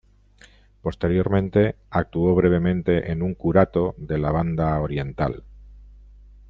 Posteriormente actuó brevemente en un curato de la Banda Oriental.